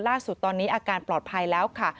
ล่าสุดตอนนี้อาการปลอดภัยแล้วค่ะ